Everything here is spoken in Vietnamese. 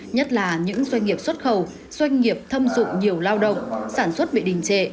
nhất là những doanh nghiệp xuất khẩu doanh nghiệp thâm dụng nhiều lao động sản xuất bị đình trệ